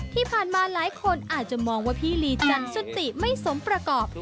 ที่ผ่านมาหลายคนอาจจะมองว่าพี่ลีจันสติไม่สมประกอบ